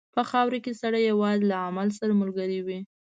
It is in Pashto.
په خاوره کې سړی یوازې له عمل سره ملګری وي.